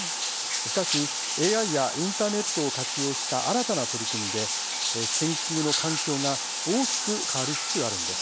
しかし、ＡＩやインターネットを活用した新たな取り組みで研究の環境が大きく変わりつつあるんです。